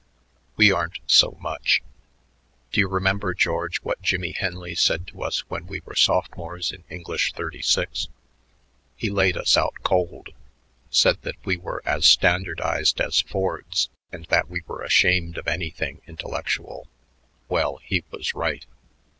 "We aren't so much. Do you remember, George, what Jimmie Henley said to us when we were sophomores in English Thirty six? He laid us out cold, said that we were as standardized as Fords and that we were ashamed of anything intellectual. Well, he was right.